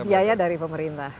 biaya dari pemerintah